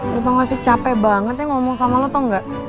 lo tau gak sih capek banget ya ngomong sama lo tau gak